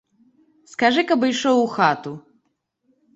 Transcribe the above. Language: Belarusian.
Скажы, каб ішоў у хату.